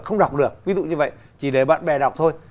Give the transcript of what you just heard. không đọc được ví dụ như vậy chỉ để bạn bè đọc thôi